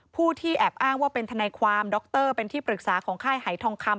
ผู้ที่แอบอ้างว่าเป็นทนายความดรเป็นที่ปรึกษาของค่ายหายทองคำ